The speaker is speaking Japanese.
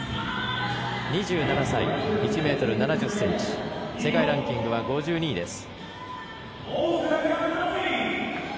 ２７歳、１ｍ７０ｃｍ世界ランキングは５２位です。